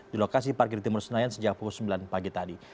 di lokasi parkir timur senayan sejak pukul sembilan pagi tadi